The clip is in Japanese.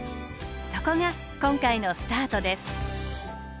そこが今回のスタートです。